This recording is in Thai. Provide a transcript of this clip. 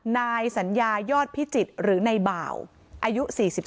นายสัญญายอดพิจิตรหรือในบ่าวอายุ๔๒